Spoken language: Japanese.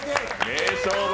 名勝負。